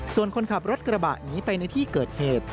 ส่วนคนขับรถกระบะหนีไปในที่เกิดเหตุ